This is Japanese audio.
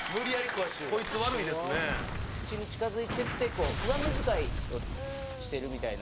口に近づいてって上目遣いをしてるみたいな。